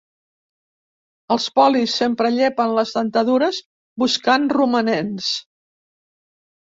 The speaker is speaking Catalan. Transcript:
Els polis sempre llepen les dentadures buscant romanents.